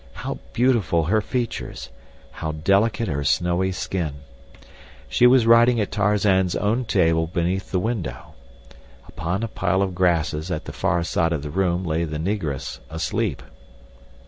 How beautiful her features! How delicate her snowy skin! She was writing at Tarzan's own table beneath the window. Upon a pile of grasses at the far side of the room lay the Negress asleep.